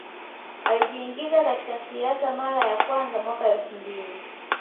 Alijiingiza katika siasa mara ya kwanza mwaka elfu mbili